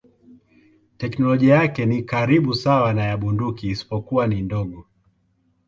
Teknolojia yake ni karibu sawa na ya bunduki isipokuwa ni ndogo.